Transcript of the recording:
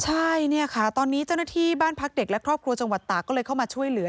ใช่เนี่ยค่ะตอนนี้เจ้าหน้าที่บ้านพักเด็กและครอบครัวจังหวัดตากก็เลยเข้ามาช่วยเหลือ